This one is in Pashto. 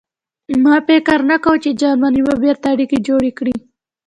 ما فکر نه کاوه چې جرمني به بېرته اړیکې جوړې کړي